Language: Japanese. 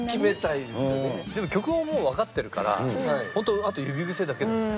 でも曲はもうわかってるからホントあと。指癖って？